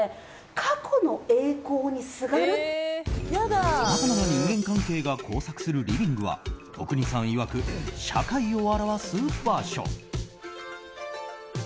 さまざまな人間関係が交錯するリビングは阿国さんいわく社会を表す場所。